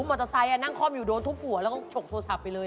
มอเตอร์ไซค์นั่งคล่อมอยู่โดนทุบหัวแล้วก็ฉกโทรศัพท์ไปเลย